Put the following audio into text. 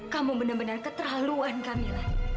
kamu bener bener keterlaluan kamila